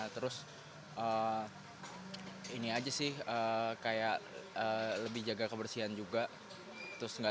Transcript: terus ini aja sih kayak lebih jaga kebersihan juga